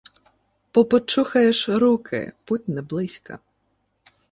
— Попочухаєш руки, путь не близька.